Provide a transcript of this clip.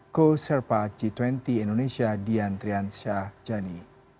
koserpa g dua puluh indonesia dian triansyah jani